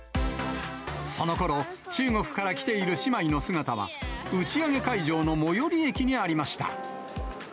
そのころ、中国から来ている姉妹の姿は、打ち上げ会場の最寄り駅にありました。